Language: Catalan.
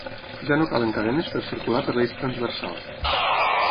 Ja no calen cadenes per circular per l'eix transversal.